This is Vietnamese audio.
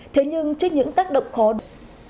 thế nhưng trước những tác động khó đổi